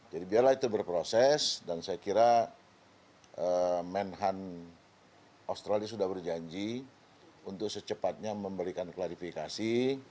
jadi biarlah itu berproses dan saya kira man hunt australia sudah berjanji untuk secepatnya memberikan klarifikasi